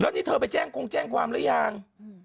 แล้วนี่เธอไปแจ้งความรึยัง